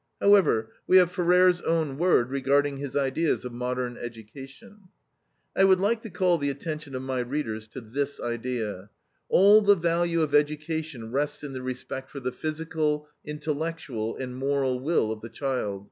However, we have Ferrer's own word regarding his ideas of modern education: "I would like to call the attention of my readers to this idea: All the value of education rests in the respect for the physical, intellectual, and moral will of the child.